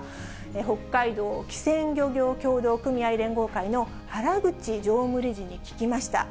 北海道機船漁業協同組合連合会の原口常務理事に聞きました。